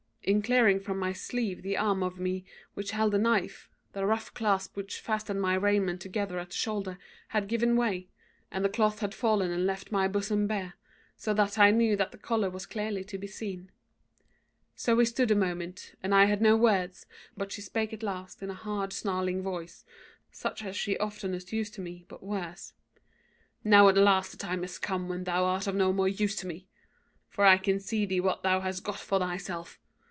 In clearing from my sleeve the arm of me which held the knife, the rough clasp which fastened my raiment together at the shoulder had given way, and the cloth had fallen and left my bosom bare, so that I knew that the collar was clearly to be seen. So we stood a moment, and I had no words, but she spake at last in a hard, snarling voice, such as she oftenest used to me, but worse. "'Now at last the time has come when thou art of no more use to me; for I can see thee what thou hast got for thyself.